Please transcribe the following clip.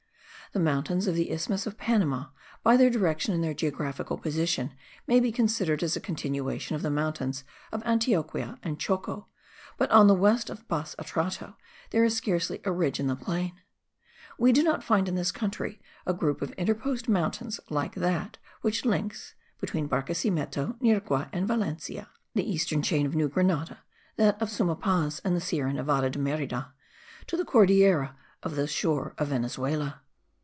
The mountains of the isthmus of Panama, by their direction and their geographical position, may be considered as a continuation of the mountains of Antioquia and Choco; but on the west of Bas Atrato, there is scarcely a ridge in the plain. We do not find in this country a group of interposed mountains like that which links (between Barquisimeto, Nirgua and Valencia) the eastern chain of New Grenada (that of Suma Paz and the Sierra Nevada de Merida) to the Cordillera of the shore of Venezuela.